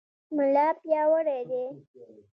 ملا پیاوړی دی.